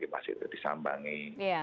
masih itu disambangi ya